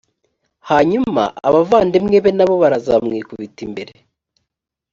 hanyuma abavandimwe be na bo baraza bamwikubita imbere